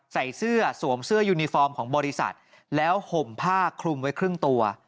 ใส่เสื้อสวมเสื้อยูนิฟอร์มของบริษัทแล้วห่มผ้าคลุมไว้ครึ่งตัว